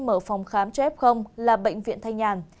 mở phòng khám cho f là bệnh viện thanh nhàn